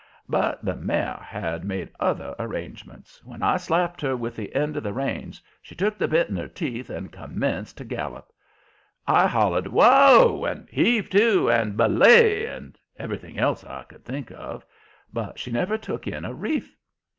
But the mare had made other arrangements. When I slapped her with the end of the reins she took the bit in her teeth and commenced to gallop. I hollered "Whoa!" and "Heave to!" and "Belay!" and everything else I could think of, but she never took in a reef.